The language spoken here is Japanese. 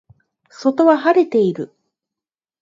外は晴れている